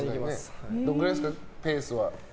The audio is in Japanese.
どのくらいですか、ペースは。